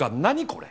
これ。